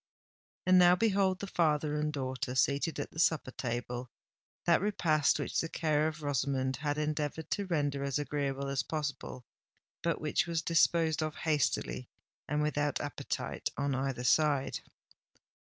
And now behold the father and daughter seated at the supper table—that repast which the care of Rosamond had endeavoured to render as agreeable as possible, but which was disposed of hastily and without appetite on either side.